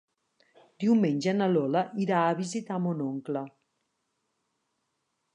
Diumenge na Lola irà a visitar mon oncle.